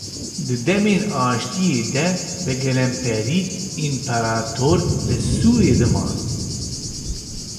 Di demên aşitiye de bi gelemperî împerator li Sûriyê diman.